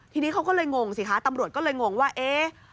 ทีนี้เขาก็เลยงงสิคะตำรวจก็เลยงงว่าเอ๊ะ